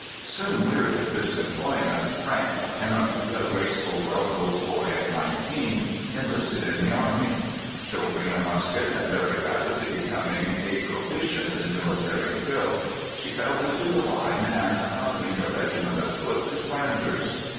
Soon weary of this employment, Frank, apparently a graceful, well built boy of nineteen, enlisted in the army. Shouldering a musket, and very rapidly becoming a proficient in military drill, she fell into the line and accompanied a regiment of foot to Flanders.